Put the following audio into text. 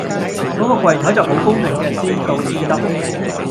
嗰個櫃檯就好公平嘅先到先得